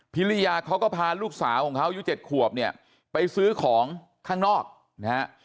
ริยาเขาก็พาลูกสาวของเขาอายุ๗ขวบเนี่ยไปซื้อของข้างนอกนะฮะ